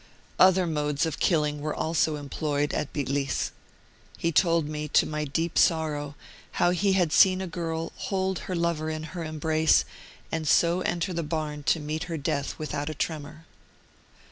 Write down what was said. Other modes of killing were also em ployed (at Bitlis). He told me, to my deep sorrow, how he had seen a girl hold her lover in her em brace, and so enter the barn to meet her death with out a tremor.